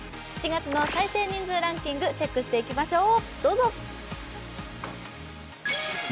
７月の再生人数ランキングチェックしていきましょう。